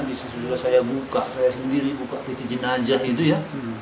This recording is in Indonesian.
itu sudah saya buka saya sendiri buka piti jenajah itu ya